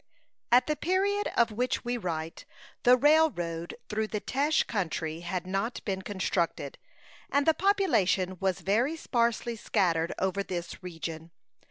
At the period of which we write, the railroad through the Teche country had not been constructed, and the population was very sparsely scattered over this region.